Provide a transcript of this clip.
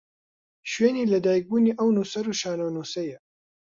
شوێنی لە دایکبوونی ئەو نووسەر و شانۆنووسەیە